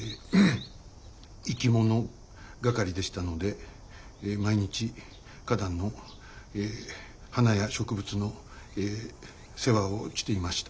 生き物係でしたので毎日花壇のええ花や植物のええ世話をちていました。